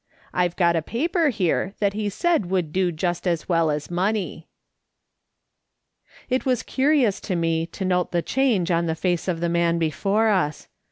I've got a paper here that he said would do just as well as money." It was curious to me to note the change on the face of the man before us.